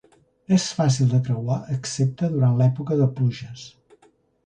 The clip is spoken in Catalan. És fàcil de creuar excepte durant l'època de pluges.